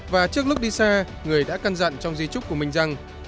và trước lúc đi xa người đã căn dặn trong di trúc của mình rằng